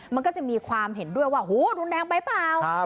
มันก็จะมีความเห็นด้วยว่าโหรุนแรงไปเปล่า